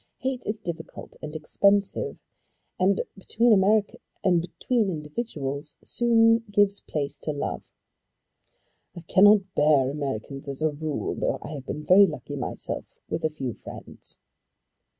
Hate is difficult and expensive, and between individuals soon gives place to love. "I cannot bear Americans as a rule, though I have been very lucky myself with a few friends."